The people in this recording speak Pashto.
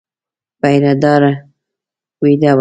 پيره دار وېده و.